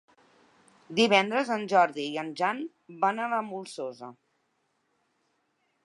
Divendres en Jordi i en Jan van a la Molsosa.